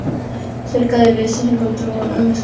Cerca, al este se encontró un esqueleto infantil completo.